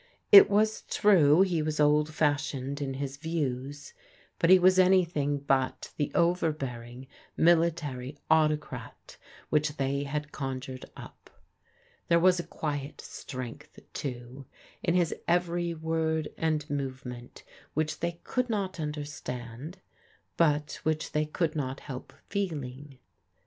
It was true he was old fashioned in his views, but he was anything but the overbearing, military autocrat which they had con jured up. There was a quiet strength, too, in his every word and movement which they could not understand, but which they could not help feeling.